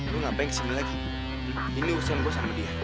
lu gak baik kesini lagi ini usianya gue sama dia